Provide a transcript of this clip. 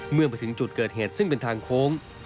เมื่อมาถึงจุดเกิดเหตุซึ่งเป็นทางโค้ง